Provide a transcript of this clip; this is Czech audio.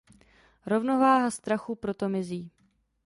Rovnováha strachu proto mizí.